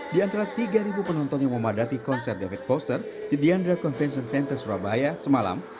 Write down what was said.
di antara tiga penonton yang memadati konser david foster di diandra convention center surabaya semalam